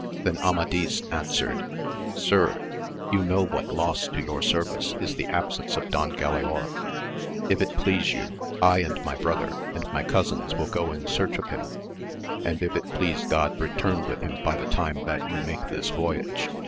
Then Amadis answered, Sir, you know what loss to your service is the absence of Don Galaor ; if it please you I and my brother and my cousins will go in search of him and if it please God return with him by the time that you make this voyage.